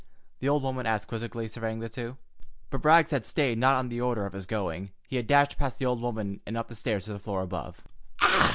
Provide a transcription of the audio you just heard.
the old woman asked quizzically, surveying the two. But Rags had stayed not on the order of his going. He had dashed past the old woman and up the stairs to the floor above.